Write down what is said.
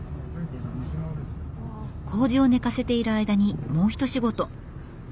こうじを寝かせている間にもう一仕事。